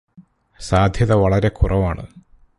സാധ്യത വളരെ കുറവാണ്